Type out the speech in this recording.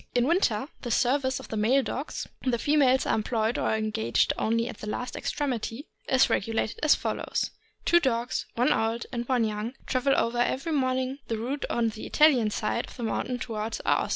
In winter the service of the male dogs (the females are employed or engaged only at the last extremity) is regulated as follows: Two dogs, one old and one young, travel over every morning the route on the Italian side of the mountain toward Aosta.